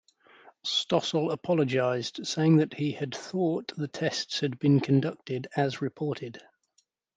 Stossel apologized, saying that he had thought the tests had been conducted as reported.